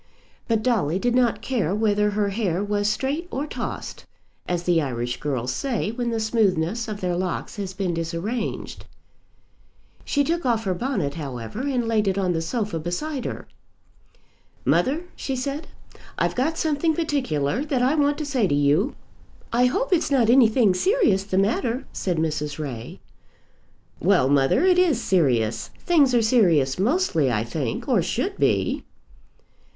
But Dolly did not care whether her hair was straight or tossed, as the Irish girls say when the smoothness of their locks has been disarranged. She took off her bonnet, however, and laid it on the sofa beside her. "Mother," she said, "I've got something particular that I want to say to you." "I hope it's not anything serious the matter," said Mrs. Ray. "Well, mother, it is serious. Things are serious mostly, I think, or should be."